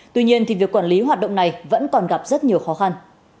tuy nhiên thì việc quản lý hoạt động này vẫn còn gặp rất nhiều khó khăn